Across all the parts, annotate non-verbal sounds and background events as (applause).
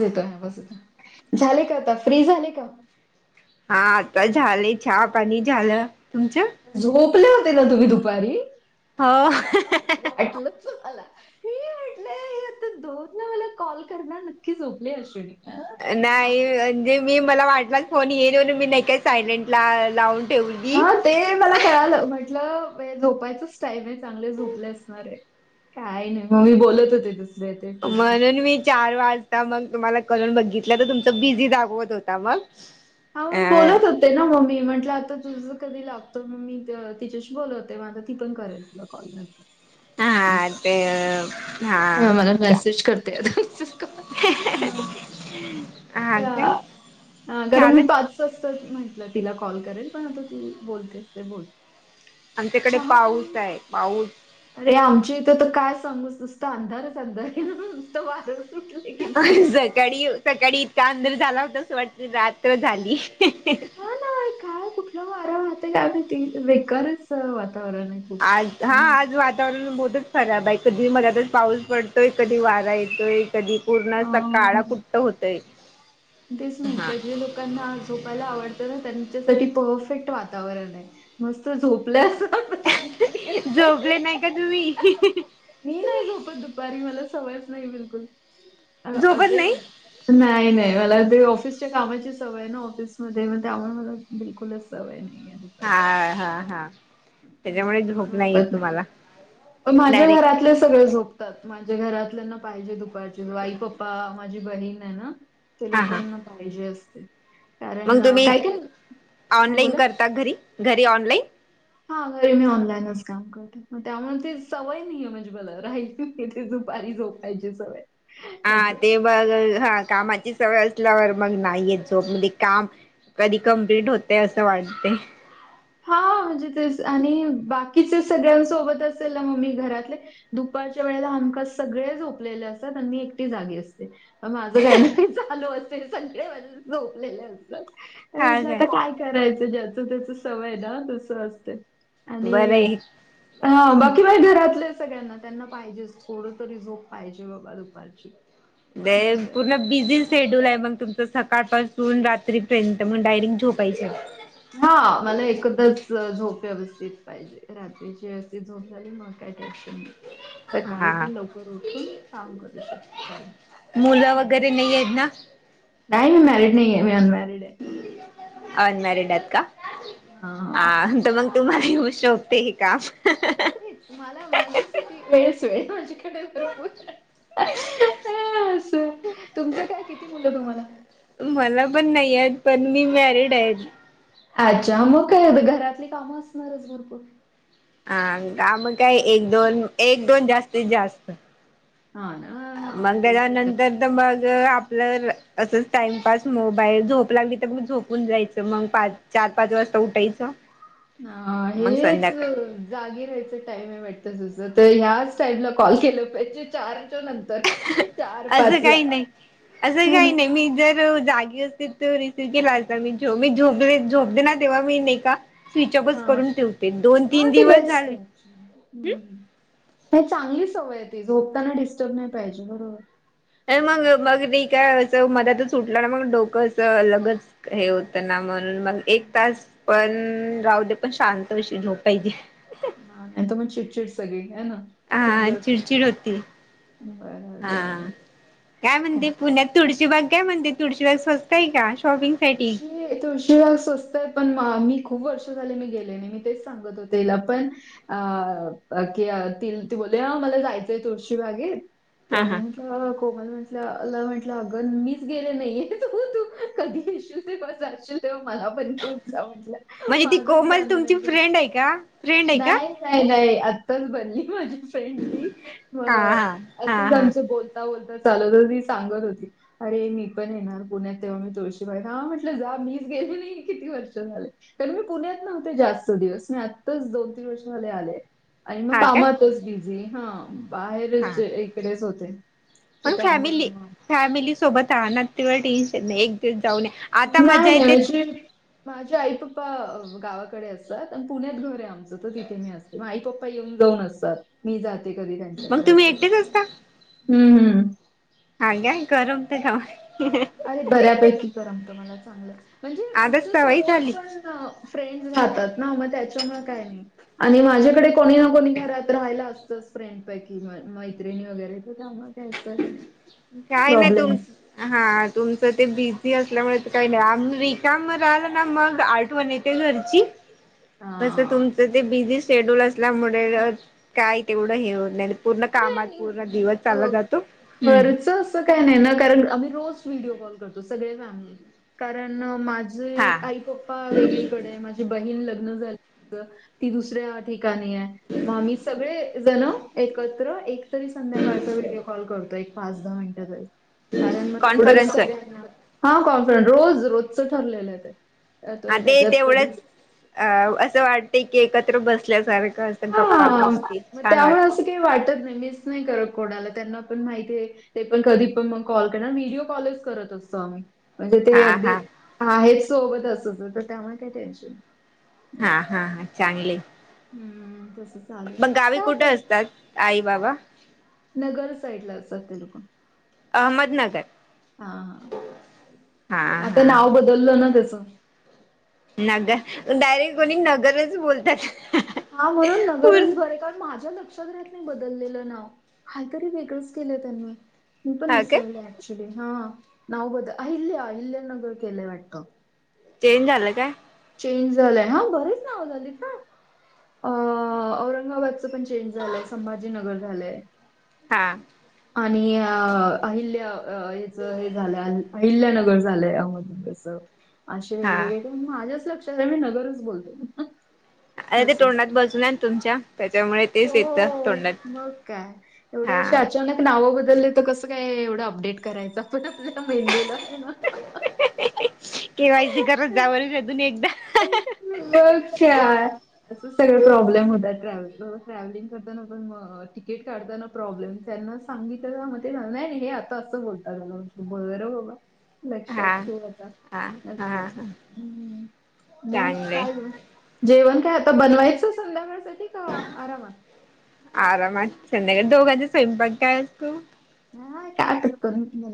येतोय येतोय झाले का आता फ्री झाले का. हा आता झालं चहा पाणी झालं तुमचं. झोपले होते ना तुम्ही दुपारी. हो. वाट तुलाला मी म्हणलं. आता दोन ना मला कॉल करणार नक्की झोपले अश्विनी. हा. नाही म्हणजे. मी मला वाटला फोन येल मीनाही का सायलेंट लावून. ठेवली. हा ते मला कळालं म्हटलं झोपायच स्टाईम आहे चांगले झोपले असणार आहे. काही नाही मी बोलत होते तस. म्हणून मी. चार वाजता मग तुम्हाला करून बघितलं तर तुमच बिझी दागवत होता मग हा मी अ बोलत होते. ते ना मम्मी म्हटलं आता तुझं कधी लागतो मममी तिच्याशी बोलवते म आता ती पण करत. क. हा ते हा. ह मला मेसेज करते आता. हम हा काय का. कारण मी झालं पाच वाजता म्हटलं तिला कॉल करेल पण आता तू बोलतेस तर बोल. आमच्याकडे पाऊस चहा-पाणी? आहे पाऊस. अरे आमच्या इथं तर काय सांगू नुसतं अंधारच अंधार आहे नुसत वार. अ जा. कडी सकाळी इतका अंधर झाला होताच वाट रात्र झाली. ह ना काय कुठलं वारं वाहतय काय माहीती बेकारच वातावरण आहे. खूप. आज हा हं. आज वातावरण बद. खराब आहे कधी मलातर पाऊस पडतोय कधी वारा येतोय. कधी पूर्ण असा अ, काळाकुट्ट होतय. तेच हा म्हंटलं जे लोकांना झोपायला आवडतं ना त्यांच्यासाठी परफेक्ट वातावरण आहे. मस्त झोपल्या. (unintelligible) झोपले नाही का तुम्ही? हि हि हि. मी नाही झोपत दुपारी मला सवयच नाही बिलकुल. अंह झोपत नाही आत्ताही. नाही नाही. मला ते ऑफिसच्या कामाची सवय ना ऑफिसमध्ये मग त्यामुळे मला बिलकुलच सवय नाहीये. हा दुपारची. हा हा. त्याच्यामुळे हम्म, झोप नाही येत झोपत तुम्हाला. पण माझ्या डायरेक्ट घरातले सगळे झोप. तत् माझ्या घरातल्या ना पाहिजे दुपारची. वाईपप्पा माझी बहीण आहे ना. ते लोकांना पाहिजे असते. कारण मंग अ, तुम्ही काही काही हां ऑनलाईन बोला. करता घरी? घरी ऑनलाईन? हा घरी मी ऑनलाईनच काम कर. त्यामुळे ती सवय नाही आहे म्हणजे मला राहिल ते दुपारी झोपायची सवय. हा असं. ते बघ हा कामाची सवय असल्यावर मग नाहीयेत झोप म्हणजे काम. कधी कंप्लीट होतंय असं वाटते. हा म्हणजे तेच आणि बाकीचे सगळ्यांसोबत असेल ना मम्मी घरातले. दुपारच्या वेळेला हमखास सगळे झोपलेले असतात आणि मी एकटी जागी असते. माझं काही नाही चालू असते सगळे माझे झोपलेले असतात. म्हटलं आता काय करायचं? ज्याच त्याच सवय ना तस असते. बरं आणि आहे हा बाकी बाहे घरातले सगळ्यांना. त्यांना पाहिजेच. थोड तरी झोप पाहिजे बाबा दुपारची. वेळेत नाहीतर पूर्ण बिझी. शेड्यूल आहे मग तुमचं सकाळपासून रात्रीपर्यंत मग डायरेक्ट झोपायच. हा मला एकदच झोप व्यवस्थित पाहिजे. रात्रीची व्यवस्थित. झोप झाली मग काय टेन्शन नाही सकाळी हा पण लवकर उठून काम करू शकत काही. मुलं वगैरे नाही आहेत ना? नाही मी मॅरिड नाही आहे. मी अनमॅरिड आहे. अनमॅरिड आहेत का? हां. आंत मंग. तुम्हारी होऊ शोकते हे काम हं हं हं. मला माझ्यासाठी वेळच वेळ माझ्याकडे भरपूर (inaudible) ह्यासू तुमचं काय? किती मुलं तुम्हाला? मला पण नाही आहेत. पण मी मॅरिड आहेत. अच्छा मग काय एवढं? घरातली कामं असणारच भरपूर. हा का मग काय एक दोन एक दोन जास्तीत जास्त. हा ना. हा ना. मग ते तर आहेच. त्याच्यानंतर तर मग आपलं असच टाइमपास मोबाईल झोप लागली तर मी झोपून जायचं मंग पाच. चार पाच वाजता उठायचं. हा मग हेच. संध्याकाळ जागी राहायचं टाइम आहे वाटतं? तसं तर ह्याच टाइमला कॉल केलं पाहिजे चार च्या नंतर. हं हं. असं ला. काही नाही. असं हो ना. काही नाही मी जर जागी असते तो रिसीव्ह केला होता मी. जेव्हा मी झोपले झोपते ना तेव्हा मी नाही का स्विच ऑफिच हां. करून ठेवते. दोन तीन दिवस झाले. हुं. चांगली सवय आहे ती. झोपताना डिस्टर्ब नाही. पाहिजे बरोबर. ए मग (unintelligible) मध्यातच ऊठलं ना, मग डोकं असं लगेच हे होतं ना, म्हणून मग एक हं. तास पण राहू दे, पण शांत अशी झोप पाहिजे. (unintelligible) चिडचिड सगळी आहे ना. हा, जसं- चिडचिड होती. बरोबर, बरोबर. तुळशी बाग काय म्हणते? तुळची बाग स्वस्त आहे का? शॉपिंग साठी? (unintelligible) तुळशीबाग स्वस्त आहे, पण मी अं खूप वर्ष झाले मी गेले नाही, मी तेच सांगत होते हिला पण. अं क ती बोलली मला जायचंय तुळशीबागेत, हा तर हा अ कोमल म्हंटलं अ म्हंटलं अगं मिचं गेले नाहीये, तू कधी प (unintelligible) तेव्हा मला पण तू जा म्हटलं. म्हणजे ती माझंचं कोमल जाणं तुमची नाही झालं. फ्रेंड आहे का फ्रेंड आहे का? नाही नाही, आताच बनली माझी फ्रेंड ती, म हा हा हा असंच हा आमचं बोल आता बोल (inaudible) सांगत होती. अरे मी पण येणार पुण्यात. (unintelligible) हा, म्हटलं जा, मिचं गेली नाही किती वर्ष झाले. कारण मी पुण्यात नव्हते जास्त दिवस. मी आत्ताच दोन, तीन वर्ष झाले आले. आणि मग हा काय कामातचं बिझी, हा. हा बाहेरचं इकडेचं होते, तर पण त्यामुळे फॅमिली फॅमिली सोबत राहा ना, तेवढं टेन्शन नाही. एक दिवस जाऊनं या. आता नाही मजा येते नाही (unintelligible) माझे आई पप्पा गावाकडे असतात. पुण्यात घर आहे आमचं, तर तिथे मी असते. मग आई पप्पा येऊन, जाऊन असतात. मी जाते कधी मग त्यांच्याकडे तुम्ही असं. एकटेच असता (unintelligible) करमत का? अरे बऱ्यापैकी करमत मला चांगलं, म्हणजे आताच आमच्या सवय समोर झाली पण फ्रेंड राहतात ना, मग त्याच्यामुळे काय नाही. आणि माझ्याकडे कोणी ना कोणी घरात राहायला असतंच, फ्रेंड पैकी. मैत्रिणी वगैरे ते (unintelligible) काय नाही? तुमचं हा, तुमचं ते बिझी असल्यामुळे काही नाही, आम्ही रिकामं राहिलं ना मग आठवण ये -ते घरची. तसं हा. तुमचं ते बिझी शेड्यूल असल्यामुळे, काय तेवढं हे होतं नाय पूर्ण कामात पूर्ण दिवस चालला जातो. (unintelligible) हम्म तसं काही नाही ना, कारणं आम्ही रोज व्हिडिओ कॉल करतो सगळे फॅमिली, कारण माझी हा जे आई पप्पा वेगळीकडे, माझी बहीण लग्न झाली ती दुसऱ्या ठिकाणी आहे, मग आम्ही सगळे जण एकत्र एक तरी संध्याकाळचा व्हिडिओ कॉल करतो, एक, पाच, दहा मिनिट तरी, कारण मग तेवढंच कॉन्फरन्स आहे सगळ्यांना हा, (unintelligible) रोज रोजचं चालेलंय ते. अ, हा तो ते त्याच्यात तेवढंच, कधी अं असं वाटते की, एकत्र बसल्यासारखं गप्पा गोष्टी छान वाटतं. ते वाटतं नाही. मिस नाही करत कोणाला, त्यांना पण माहिती आहे. ते पण कधी पण मग कॉल करणार. व्हिडिओ कॉलचं करत असतो आम्ही. म्हणजे ते हा अगदी हा आहेचं सोबत असचं, तर त्यामुळे काय टेन्शन नाही. हा, हा, हा, चांगले. हम्म, तसचं. मग गावी कुठे असतात आई बाबा? नगर साईड ला असतात ते लोक. अहमदनगर. हा ह हा आता हा नाव बदलल ना त्याचं- नगर डायरेक्ट कोणी नगरच बोलतात. हा म्हणून नगरच पूर्ण बरे कारण माझ्या लक्षात बदललेलं नाव, काहीतरी वेगळंच केलं त्यांनी मी पण हा काय विसरले आहे. क्चुली हा नाव ब अहिल्या अहिल्या नगर केले वाटत. चेंज झालं काय? चेंज झालंय हा बरेच नाव झालेत ना औरंगाबादच पण चेंज झालंय संभाजीनगर झालंय. हा. आणि अहिल्या याच हे झालंय अहिल्यानगर झालंय अहमदनगरच असे हा वेगवेगळे माझ्याच लक्षात मी नगरच बोलते. अरे ते असं तोंडात असतं. बसल ना तुमच्या त्याच्यामुळे तेच येतं हो. तोंडात- मग काय. एवढे हा असे अचानक नाव बदलले तर कसं काय एवढं अपडेट करायचं पण आपल्या मेंदूला- केवायसी करत जाव अजुन एकदा. बघ काय, असं सगळे प्रॉब्लेम होतात ट्रॅव्हल, ट्रॅव्हलिंग कर ताना पण मग तिकीट काढताना प्रॉब्लेम त्यांना सांगितल म ते नाही हे आता असं बोलतात याला. बर बाबा लक्षात हा ठेवु आता हा अस हा हा हम्म. मग चांगलंय काय ग जेवण काय आता बनवायचं संध्याकाळसाठी का आरामात आरामात संध्याकाळी दोघांचे स्वयंपाक काय असतू. हा का करून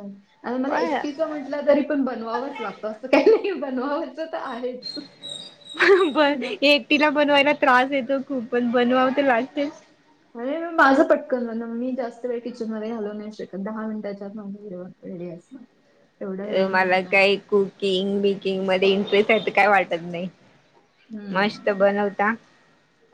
मला काय एकटीच म्हटल कठ तरी पण बनवावंच लागतं असं काही नाही बनवायचं तर आहेच. प है ना एकटीला बनवायला त्रास येतो खूप पण बनवाव तर लागते. अरे म माझं पटकन ना मी जास्त वेळ किचनमध्ये घालवु नाही शकत दहा मिनटाच्या आत माज रेडी असते. ह. मला काही कुकिंग, बेकिंग मध्ये इंटरेस्ट आहे अस काय वाटत नाही. मस्त हम्म बनवता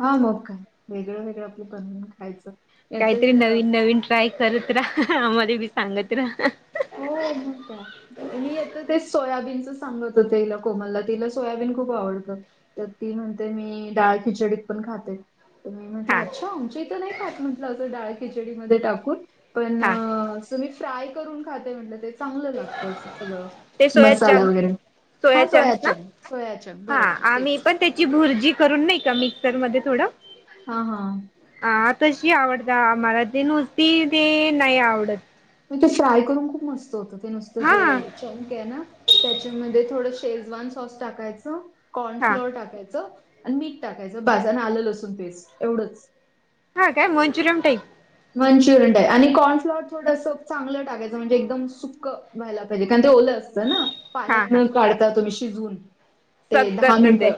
हा मग काय वेगळं वेगळं आपलं बनवून खायचं. आता काहीतरी हिला नवीन नवीन ट्राय करत राहा आम्हाला मी सांगत राहा. हो मग काय? मी येतं ते सोयाबीनच सांगत होते हिला कोमलला तिला सोयाबीन खूप आवडतं. तर ती म्हणते मी डाळ खिचडीत पण खाते. तर मी म्हटलं हा अच्छा आमच्याइथे तर नाही खात म्हटलं असं डाळ खिचडीमध्ये टाकून पण हा अस मी फ्राय करून खाते म्हटलं ते चांगलं लागत अस सगळं. ते सोया मसाला चंक वगैरे सोया हा चंक्स ना सोयाचन, सोयाचन बरोबर तेच. ची भुर्जी करून नाही का मिक्सर मध्ये थोडं हा हा. हा तशी आवडता मला ते नुसती ते नाही आवडत. मग ते फ्राय करून खूप मस्त होत ते नुसतं जे हा चंक आहे ना. त्याच्यामध्ये थोडं शेजवान सॉस टाकायचं, कॉर्न हा फ्लोअर टाकायचं आणि मीठ टाकायचं बास आन आलं, लसून पेस्ट एवढंच. हा काय मंचुरयम टाईप. मंचुरियन टाय आणि कॉर्नफ्लवर थोडंसं चांगलं टाकायचं म्हणजे एकदम सुक - व्हायला पाहिजे कारण ते ओलं असतं ना हा हा पाण्यात काढता तुम्ही शिजून. ते सक दहा करत ते मिनटं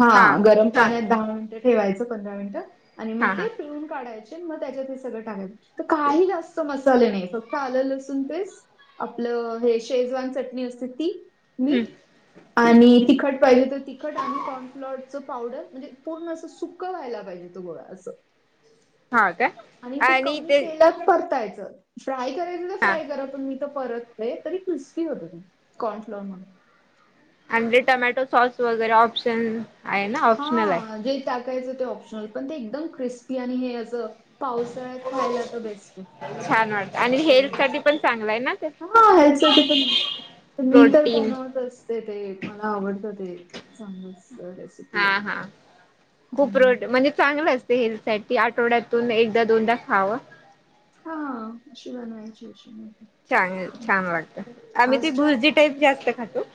हा गरम हा पाण्यात दहा मिनिटं ठेवायचं पंधरा मिनिटं- आणि मग हा हा ते पिळून काढायचे मग त्याच्यात हे सगळं टाकायचं तर काही जास्त मस्त - चाले नाही फक्त आलंल लसून पेस्टआपलं हे शेजवान चटणी असते ती. हम्म मीठ आणि तिखट पाहिजे तर तिखट आणि कॉर्नफ्लॉअरचं पावडर. ते पूर्ण असं सुकं व्हायला पाहिजे तो गोळा असं. हा का? आणि ते कमी तेलात परतायचं फ्राय करायचं तर हा फ्राय करा. तर मी तर परतते तरी क्रिस्पी होतो ना कॉर्नफ्लॉअर म्हणून. अेअंडे टोमॅटो सॉस वगैरे ऑप्शन. आहे ना ऑप्शनल आहे हा जे टाकायचं ते ऑप्शनल पण ते एकदम क्रिस्पी आणि हे असं. पावसाळ्यात खायला तर बेस्ट आहे असं करून. हे पण चांगलाय ना ते. हा हेल्थ सा पण मी तर प्रोटीन बनवते पण - खूप हेल्थ असतं ते मला आवडत ते चांगलं असतं ते हा हा खूप रोड म्हणजे. चांगलं असते हेल्थ साठी आठवड्यातून एकदा दोनदा खावं. हा हाशी बनवायचीशी बन (inaudible) छान छान वाटत आम्ही ती भुर्जी टाईप जास्त खातो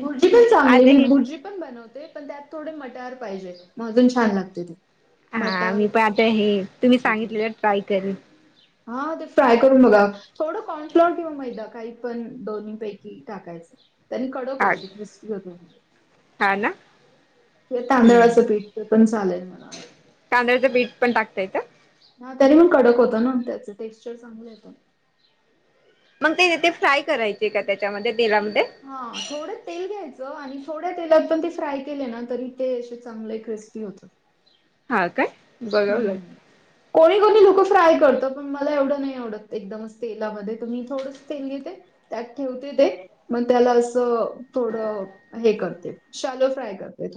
भुर्जी पण चांगली आता हे. भुर्जी मी पण बनवते पण त्यात थोडे मट्यार पाहिजे अजून छान लागते ते. हा मटार मी पण आता हे तुम्ही सांगितलेलं ट्राय करनं. हा ते फ्राय करून बघा थोडं कॉनफ्लॉअर किंवा मैदा काही. पण दोन्ही पैकी टाकायच त्यांनी कडक होत हा हो ते क्रिस्पी होतं. हा ना ते हम्म तांदळाचं पीठ ते पण चालेल मला. वाटतं. तांदळाचे पीठ पण टाकता का? ह त्यांनी पण कडक होतं ना त्याच टेक्स्चर चांगलं येतं. मग ते तिथं फ्राय करायचे का त्याच्यामध्ये तेलामध्ये? हा थोडे. तेल घ्यायचं आणि थोड्या तेलात पण ते फ्राय केले ना तरी ते असे चांगले क्रिस्पी होता. हा काय? बघावं लागेल हम् कोणी कोणी लोक फ्राय करत पण मला एवढं नाही आवडत एकदम. तेलामध्ये त मी थोड तेल घेते त्यात ठेवते ते. मग त्याला असं थोडं हे करते शालो फ्राय करते.